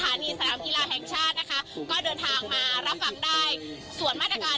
ที่สนามกีฬาแห่งชาตินะคะก็เดินทางมารับฟังได้ส่วนมาตรการ